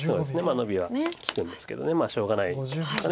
ノビは利くんですけどしょうがないですか。